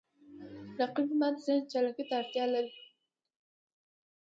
رقیب زما د ذهن چالاکي ته اړتیا لري